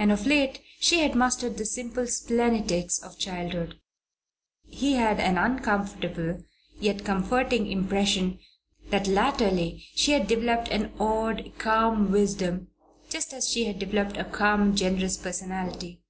And of late she had mastered the silly splenetics of childhood. He had an uncomfortable yet comforting impression that latterly she had developed an odd, calm wisdom, just as she had developed a calm, generous personality.